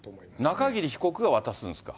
中桐被告が渡すんですか？